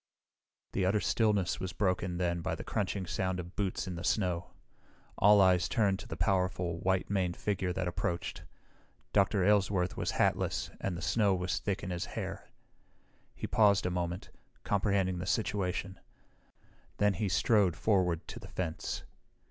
The utter stillness was broken then by the crunching sound of boots in the snow. All eyes turned to the powerful, white maned figure that approached. Dr. Aylesworth was hatless and the snow was thick in his hair. He paused a moment, comprehending the situation. Then he strode forward to the fence.